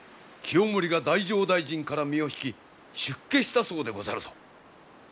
太政大臣から身を引き出家したそうでござるぞ。